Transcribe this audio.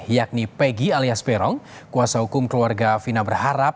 yakni peggy alias perong kuasa hukum keluarga vina berharap